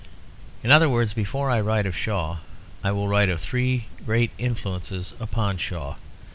In other words, before I write of Shaw I will write of the three great influences upon Shaw.